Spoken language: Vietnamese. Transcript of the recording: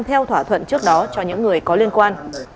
theo thỏa thuận trước đó cho những người có liên quan